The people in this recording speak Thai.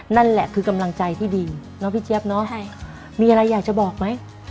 นั่นแหละคือกำลังใจที่ดีพี่แจ๊บมีอะไรอยากจะบอกไหม